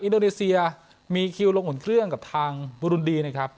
อินโดนีเซียมีคิวลงอุ่นเครื่องกับทางบุรุณดีนะครับ